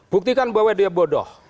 buktikan bahwa dia bodoh